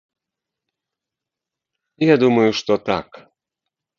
Я думаю, што так.